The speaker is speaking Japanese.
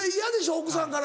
奥さんから。